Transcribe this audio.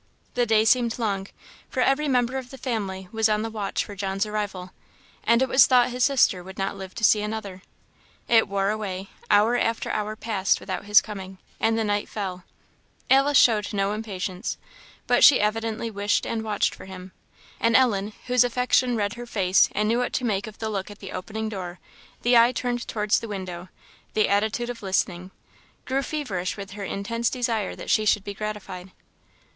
The day seemed long, for every member of the family was on the watch for John's arrival, and it was thought his sister would not live to see another. It wore away; hour after hour passed without his coming, and the night fell. Alice showed no impatience, but she evidently wished and watched for him; and Ellen whose affection read her face and knew what to make of the look at the opening door, the eye turned towards the window, the attitude of listening grew feverish with her intense desire that she should be gratified.